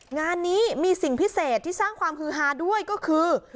งานนี้มีสิ่งพิเศษที่สร้างความฮือฮาด้วยก็คือ